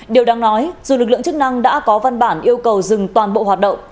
điều đáng nói dù lực lượng chức năng đã có văn bản yêu cầu dừng toàn bộ hoạt động